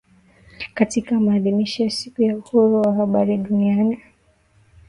Katika maadhimisho ya siku ya Uhuru wa Habari Duniani